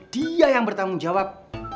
dia yang bertanggung jawab